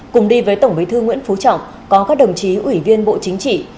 cùng đi với tổng bí thư nguyễn phú trọng có các đồng chí ủy viên bộ chính trị